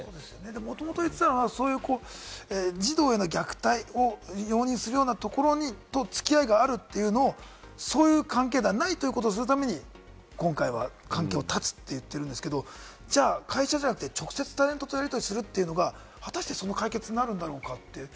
もともと言ってたのは、児童への虐待を容認するようなところと付き合いがあるというのをそういう関係ではないということにするために今回は関係をたつって言ってるんですけれども、会社じゃなくて、直接タレントとというのは果たして解決になるんだろうかって。